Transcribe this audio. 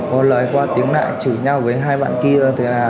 có lời qua tiếng đại chửi nhau với hai bạn kia